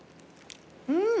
うん！